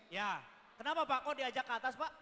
ya kenapa pak kok diajak ke atas pak